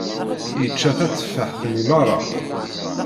Yečča tateffaḥt-nni merra.